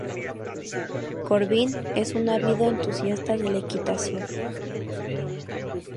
Corbin es un ávido entusiasta de la equitación.